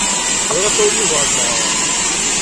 Bɣiɣ ad tawid Yuba ɣer tmeɣra.